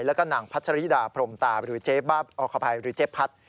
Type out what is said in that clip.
แล้วก็นางพัชริดาพรมตาหรือเจ๊ภัทร